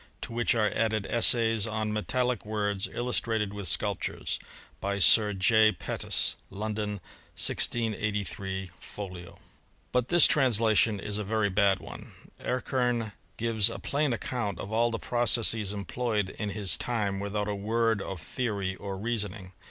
To which are added essays :. on metaUic words, illustrated with sculptures. By Sir J. Pettus. London, 1683, folio." But this transla tion is a very bad one. Erckem gives a plain account of all the processes employed in his time without a word of theory or reasoning.